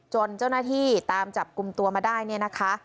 จนเจ้าหน้าที่ตามจับกลุ่มตัวมาได้เนี่ยนะคะ